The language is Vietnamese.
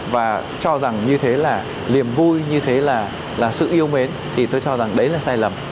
và cho rằng như thế là liềm vui như thế là sự yêu mến thì tôi cho rằng đấy là sai lầm